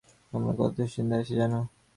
আমরা কত দুশ্চিন্তায় আছি জানো!